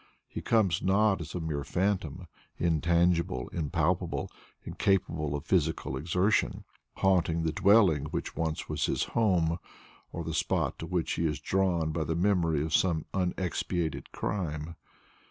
He comes not as a mere phantom, intangible, impalpable, incapable of physical exertion, haunting the dwelling which once was his home, or the spot to which he is drawn by the memory of some unexpiated crime.